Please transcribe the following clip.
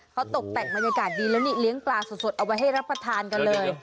เขาตกแต่งบรรยากาศดีแล้วนี่เลี้ยงปลาสดเอาไว้ให้รับประทานกันเลย